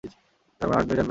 তারমানে aunt May জানবে?